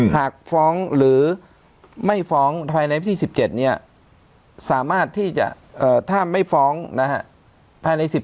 หรือไม่ฟ้องภายในพิธี๑๗เนี่ยสามารถที่จะถ้าไม่ฟ้องภายใน